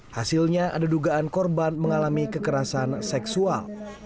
hasilnya ada dugaan korban mengalami kekerasan seksual